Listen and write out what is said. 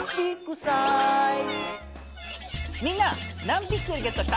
みんな何ピクセルゲットした？